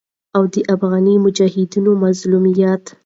او د افغاني مجاهدينو مظلوميت